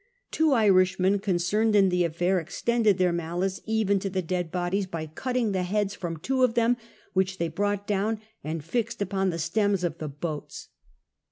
Tw'o Irishmen concerned in the affair extended their malice even to the dead bodies, by cutting tlie heads fnuii two of them, which they brought down and fixed ui)on the stems of the boats.